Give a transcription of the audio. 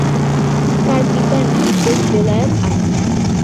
তার পিতার নাম শেখ বেলায়েত আলী।